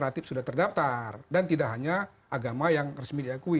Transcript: relatif sudah terdaftar dan tidak hanya agama yang resmi diakui